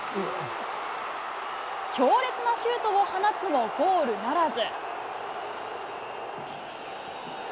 強烈なシュートを放つも、ゴールならず。